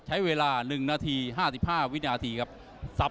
ใช้เวลาหนึ่งนาทีห้าสิบห้าวิ่งนาทีครับซับ